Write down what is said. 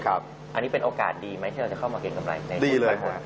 อันนี้เป็นโอกาสดีไหมที่เราจะเข้ามาเกรงกำไรในนี้เลย